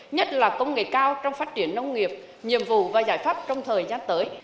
nhất là công nghệ cao trong phát triển nông nghiệp nhiệm vụ và giải pháp trong thời gian tới